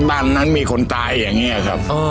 บ้านนั้นมีคนตายอย่างนี้ครับ